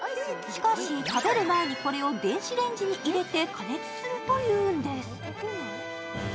しかし、食べる前にこれを電子レンジに入れて加熱するというんです。